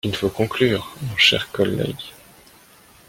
Il faut conclure, mon cher collègue.